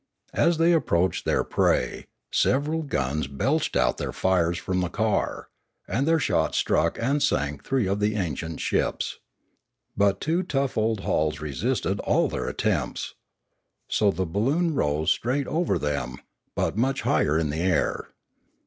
As they ap proached their prey, several guns belched out their fires from the car, and their shot struck and sank three of the ancient ships. But two tough old hulls resisted all their attempts. So the balloon rose straight over them, but much higher in the air.